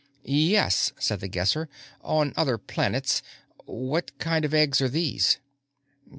"Yes," said The Guesser. "On other planets. What kind of eggs are these?"